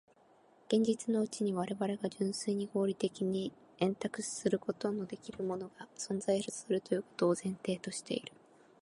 現実のうちに我々が純粋に合理的に演繹することのできぬものが存在するということを前提している。